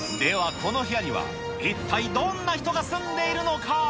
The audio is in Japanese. この部屋には、一体どんな人が住んでいるのか。